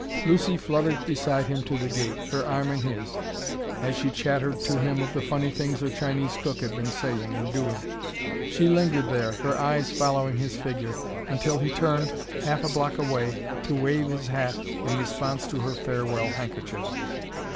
Lucy fluttered beside him to the gate, her arm in his, as she chattered to him of the funny things her Chinese cook had been saying and doing. She lingered there, her eyes following his figure, until he turned, half a block away, to wave his hat in response to her farewell handkerchief.